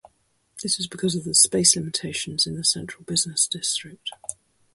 This is because of the space limitations in the Central Business District.